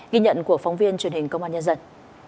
ghi nhận của phóng viên truyền hình công an nhân dân